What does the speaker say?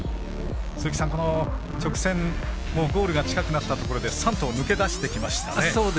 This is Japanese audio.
鈴木さん、この直線ゴールが近くなったところで３頭抜け出してきましたね。